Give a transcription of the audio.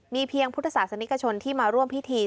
มีเพียงพุทธศาสนิกชนที่มาร่วมพิธี